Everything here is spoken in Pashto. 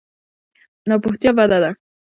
ناپوهتیا بده ده.